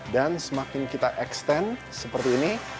dan semakin kita extend seperti ini